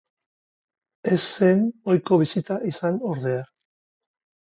Ez zen ohiko bisita izan ordea.